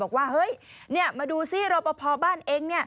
บอกว่านี่มาดูสิรับประพาบ้านเอง